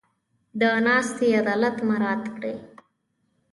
د ناستې عدالت مراعت کړي.